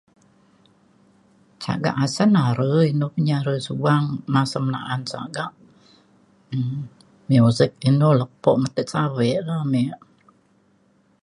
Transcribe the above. Sagat asen are ine inou pe nyek are suang. Masem asen sagak. En nye muset , inou lepo metit savak wek na ame